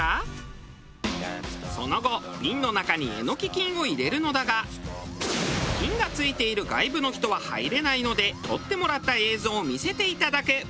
その後瓶の中にエノキ菌を入れるのだが菌が付いている外部の人は入れないので撮ってもらった映像を見せていただく。